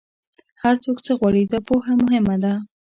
هر څوک څه غواړي، دا پوهه مهمه ده.